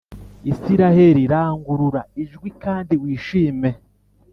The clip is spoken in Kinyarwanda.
Isilaheli rangurura ijwi kandi wishime